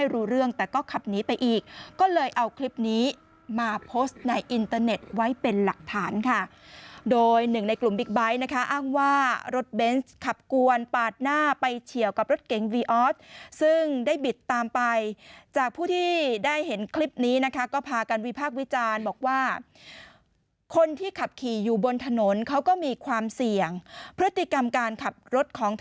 รู้เรื่องแต่ก็ขับหนีไปอีกก็เลยเอาคลิปนี้มาโพสต์ในอินเตอร์เน็ตไว้เป็นหลักฐานค่ะโดยหนึ่งในกลุ่มบิ๊กไบท์นะคะอ้างว่ารถเบนส์ขับกวนปาดหน้าไปเฉียวกับรถเก๋งวีออสซึ่งได้บิดตามไปจากผู้ที่ได้เห็นคลิปนี้นะคะก็พากันวิพากษ์วิจารณ์บอกว่าคนที่ขับขี่อยู่บนถนนเขาก็มีความเสี่ยงพฤติกรรมการขับรถของ